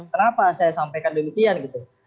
kenapa saya sampaikan demikian gitu